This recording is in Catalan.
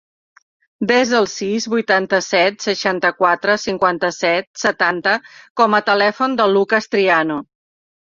Desa el sis, vuitanta-set, seixanta-quatre, cinquanta-set, setanta com a telèfon del Lukas Triano.